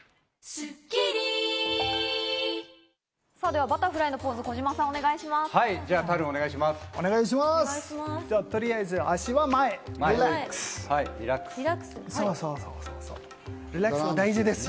では、バタフライのポーズ、児嶋さん、お願いします。